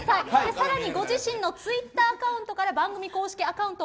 更に、ご自身のツイッターアカウントから番組公式アカウントを